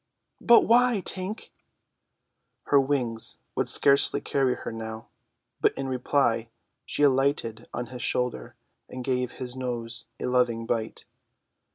"But why, Tink?" Her wings would scarcely carry her now, but in reply she alighted on his shoulder and gave his nose a loving bite.